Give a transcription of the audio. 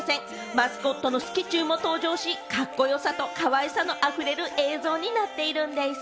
マスコットのスキチュウも登場し、カッコよさと、かわいさのあふれる映像になっているんです。